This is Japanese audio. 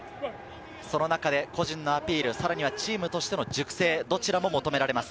その中で個人のアピール、さらにはチームとしての熟成、どちらも求められます。